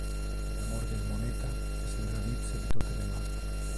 Le amor del moneta es le radice de tote le mal.